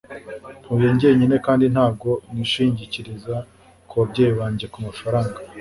Ntuye njyenyine kandi ntabwo nishingikiriza kubabyeyi banjye kumafaranga.